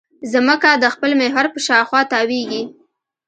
ځمکه د خپل محور په شاوخوا تاوېږي.